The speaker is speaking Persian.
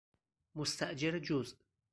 مستأجر جزء